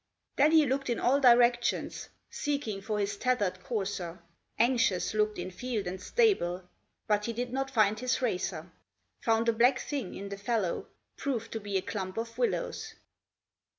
Then he looked in all directions, Seeking for his tethered courser, Anxious looked in field and stable, But he did not find his racer; Found a black thing in the fallow, Proved to be a clump of willows.